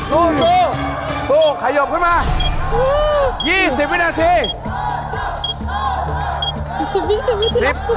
สู้สู้ขยบขึ้นมา๒๐วินาที